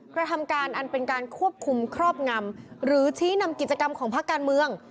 กระทำการอันเป็นการควบคุมครอบงำหรือชี้นำกิจกรรมของพักการเมือง